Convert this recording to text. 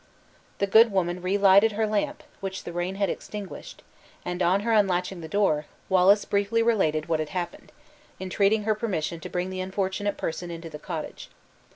The good woman relighted her lamp, which the rain had extinguished; and, on her unlatching the door, Wallace briefly related what had happened, entreating her permission to bring the unfortunate person into the cottage.